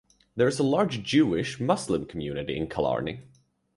There is a large Jewish, Muslim community in Killarney.